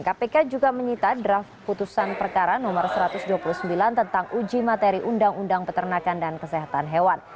kpk juga menyita draft putusan perkara nomor satu ratus dua puluh sembilan tentang uji materi undang undang peternakan dan kesehatan hewan